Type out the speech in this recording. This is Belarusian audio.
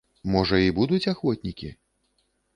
Можа, і будуць ахвотнікі?